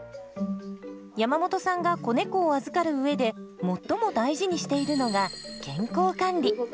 山本さんが子猫を預かる上で最も大事にしているのが健康管理。